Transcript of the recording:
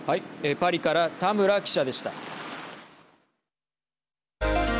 パリから田村記者でした。